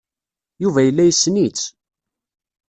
Yuba yella yessen-itt.